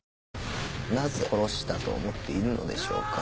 なぜ殺したと思っているのでしょうか。